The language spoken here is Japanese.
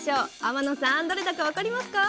天野さんどれだか分かりますか？